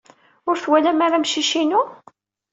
Ur twalam ara amcic-inu?